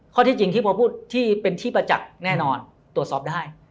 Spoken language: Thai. ข้อที่จริงที่พอพูดที่เป็นที่ประจักษ์แน่นอนตรวจสอบได้